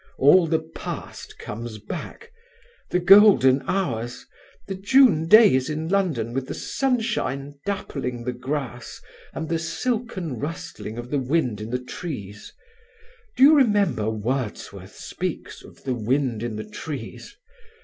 All the past comes back; the golden hours; the June days in London with the sunshine dappling the grass and the silken rustling of the wind in the trees. Do you remember Wordsworth speaks 'of the wind in the trees'?